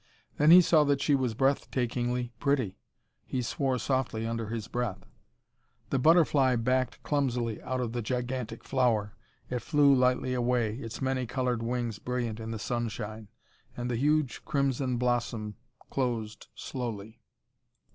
Then he saw that she was breath takingly pretty. He swore softly under his breath. The butterfly backed clumsily out of the gigantic flower. It flew lightly away, its many colored wings brilliant in the sunshine. And the huge crimson blossom closed slowly.